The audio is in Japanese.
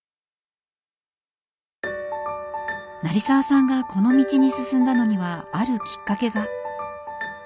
成澤さんがこの道に進んだのにはあるきっかけが。